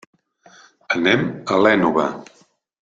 Anem a l'Ènova.